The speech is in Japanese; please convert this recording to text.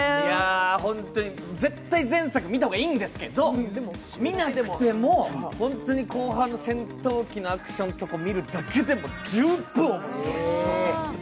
本当に絶対前作見た方がいいんですけど、見なくても本当に後半、戦闘機のアクションを見るだけでも十分面白い。